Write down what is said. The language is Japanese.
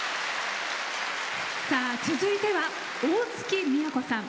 続いては大月みやこさん。